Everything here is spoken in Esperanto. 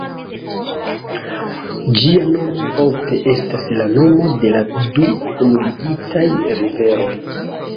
Ĝia nomo ofte estas la nomo de la du kunligitaj riveroj.